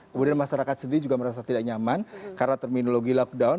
kemudian masyarakat sendiri juga merasa tidak nyaman karena terminologi lockdown